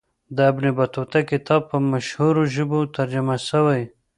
د ابن بطوطه کتاب په مشهورو ژبو ترجمه سوی.